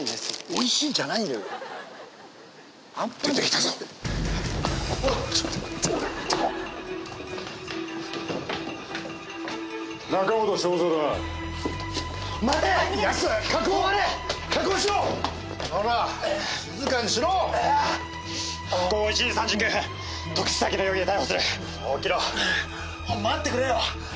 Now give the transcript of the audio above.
おい待ってくれよ！